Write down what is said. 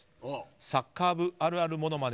サッカー部あるあるモノマネ